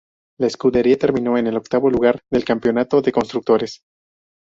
La escudería terminó en el octavo lugar del campeonato de constructores.